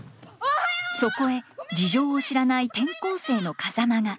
そこへ事情を知らない転校生の風間が。